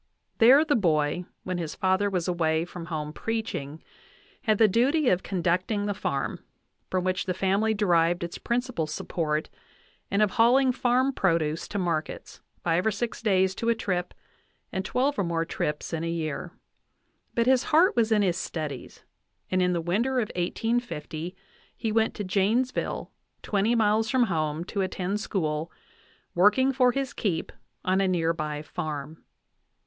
There the boy, when his father was away from home preaching, had the duty of conducting the farm, from which the family derived its principal support, and of hauling farm produce to markets, five or six days to a trip and twelve or more trips in a year; but his heart was in his studies, and in the winter of 1850 he went to Janesville, twenty miles from home, to attend school, working for his keep on a near by farm.